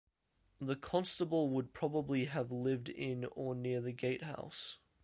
The constable would probably have lived in or near the gatehouse.